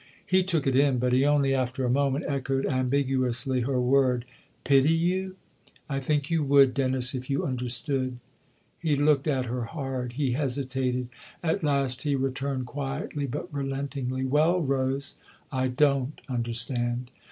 He took it in, but he only, after a moment, echoed, ambiguously, her word. " Pity you ?"" I think you would, Dennis, if you under stood." He looked at her hard ; he hesitated. At last he returned quietly, but relentingly :" Well, Rose, I don't understand."